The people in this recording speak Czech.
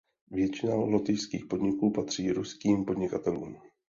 Většina lotyšských podniků patří ruským podnikatelům.